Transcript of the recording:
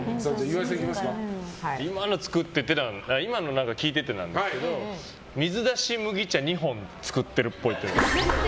今の聞いててなんですけど水出し麦茶２本作ってるっぽい。